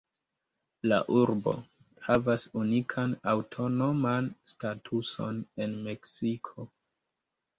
La urbo havas unikan aŭtonoman statuson en Meksiko.